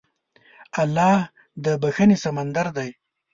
الله د بښنې سمندر دی.